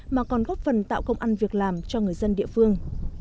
mà còn góp phần tạo công ăn việc làm cho người dân địa phương